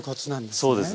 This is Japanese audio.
そうですね。